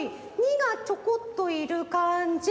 ②がちょこっといるかんじ。